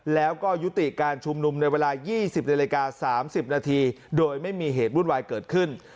แล้วก็ยุติการชุมนุมในเวลา๒๐นาฬิกา๓๐นาทีโดยไม่มีเหตุวุ่นวายเกิดขึ้น